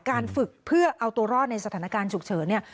การฝึกเพื่อเอาตัวรอดในสถานการณ์ฉุกเฉินเนี่ย